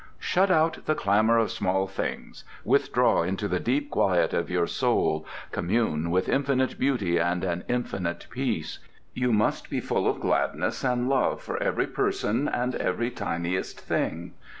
"Shut out the clamour of small things. Withdraw into the deep quiet of your soul, commune with infinite beauty and infinite peace. You must be full of gladness and love for every person and every tiniest thing.